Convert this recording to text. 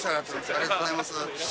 ありがとうございます。